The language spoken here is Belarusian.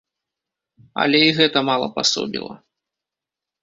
Але і гэта мала пасобіла.